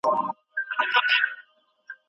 چې هر څوک خوشحاله شي.